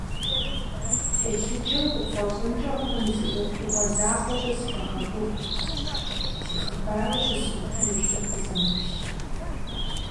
Телъыджэу къыпфӀэщӀынкӀэ хъун зы Ӏуэхугъуэ закъуэкӀэ сыкъэгъэгугъэ - си хъыбарыр щысӀуэтэжкӀэ укъызэмыплъ.